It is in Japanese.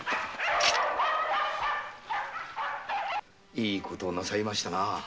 いいことをなさいましたな。